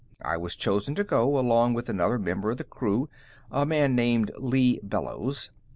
"I was chosen to go, along with another member of the crew, a man named Lee Bellows.